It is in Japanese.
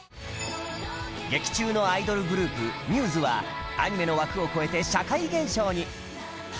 劇中のアイドルグループ μ’ｓ はアニメの枠を超えて社会現象に